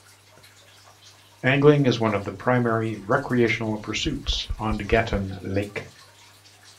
Angling is one of the primary recreational pursuits on Gatun Lake.